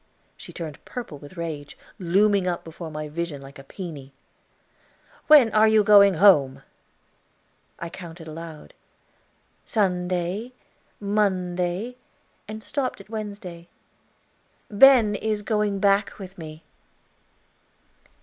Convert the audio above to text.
She turned purple with rage, looming up before my vision like a peony. "When are you going home?" I counted aloud, "Sunday Monday," and stopped at Wednesday. "Ben is going back with me."